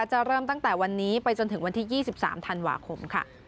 เริ่มตั้งแต่วันนี้ไปจนถึงวันที่๒๓ธันวาคมค่ะ